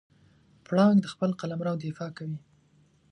پړانګ د خپل قلمرو دفاع کوي.